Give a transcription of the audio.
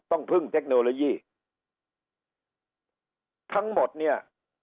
พึ่งเทคโนโลยีทั้งหมดเนี่ย